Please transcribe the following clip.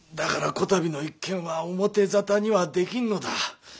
こたびの一件は表沙汰にはできんのだ。